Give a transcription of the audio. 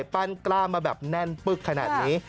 ปั้นกล้ามาแบบแน่นปึ๊กขนาดนี้